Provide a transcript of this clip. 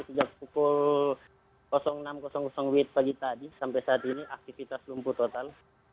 sejak pukul enam wit pagi tadi sampai saat ini aktivitas lumpuh total